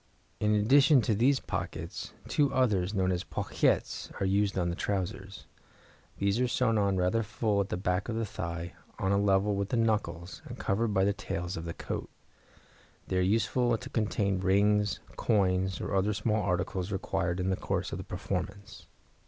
In addition to these pockets, two others, known as pochettes, are used on the trousers. These are sewn on rather full at the back of the thigh, on a level with the knuckles, and covered by the tails of the coat; they are useful to contain rings, coins, or other small articles required in the course of the performance.